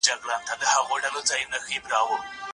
په کور کې جګړه ماشومان اغیزمنوي.